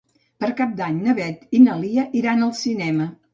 Per Cap d'Any na Beth i na Lia iran al cinema.